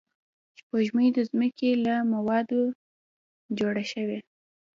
سپوږمۍ د ځمکې له موادو جوړه شوې